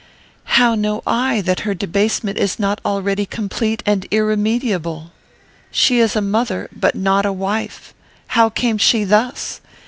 "How know I that her debasement is not already complete and irremediable? She is a mother, but not a wife. How came she thus?